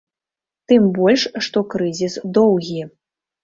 Тым больш, што крызіс доўгі.